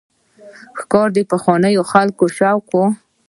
ښکار د پخوانیو خلکو شوق و.